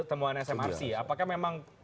temuan smrc apakah memang